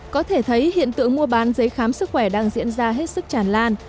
có thể thấy hiện tượng mua bán giấy khám sức khỏe đang diễn ra hết sức tràn lan